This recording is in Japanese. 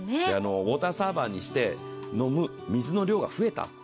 ウォーターサーバーにして飲む水の量が増えた。